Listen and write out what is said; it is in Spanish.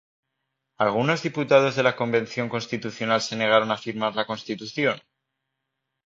¿Algunos diputados de la Convención Constitucional se negaron a firmar la Constitución?